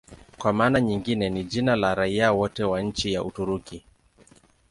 Kwa maana nyingine ni jina la raia wote wa nchi ya Uturuki.